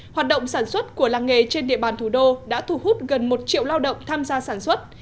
hoạt động sản xuất của làng nghề trên địa bàn thủ đô đã thu hút gần một triệu lao động tham gia sản xuất